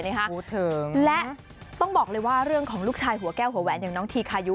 และต้องบอกเลยว่าเรื่องของลูกชายหัวแก้วหัวแหวนอย่างน้องทีคายุ